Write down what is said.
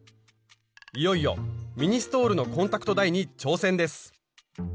いよいよミニストールのコンタクトダイに挑戦です！